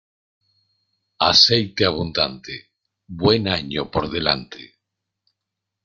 Aceite abundante, buen año por delante.